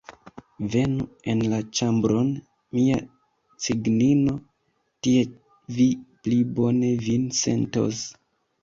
Venu en la ĉambron, mia cignino, tie vi pli bone vin sentos!